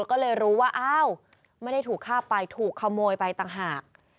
ก็เลยรู้ว่าอ้าวไม่ได้ถูกฆ่าไปถูกขโมยไปต่างหาก